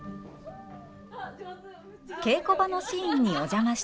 稽古場のシーンにお邪魔してみると。